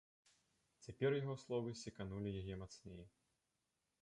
Цяпер яго словы секанулі яе мацней.